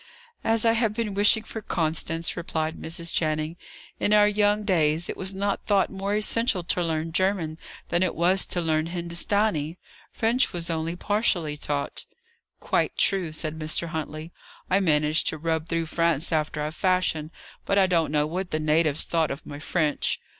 '" "As I have been wishing for Constance," replied Mrs. Channing. "In our young days, it was not thought more essential to learn German than it was to learn Hindustanee. French was only partially taught." "Quite true," said Mr. Huntley. "I managed to rub through France after a fashion, but I don't know what the natives thought of my French.